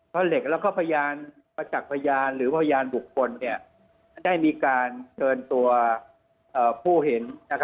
เหล็กแล้วก็พยานประจักษ์พยานหรือพยานบุคคลได้มีการเชิญตัวผู้เห็น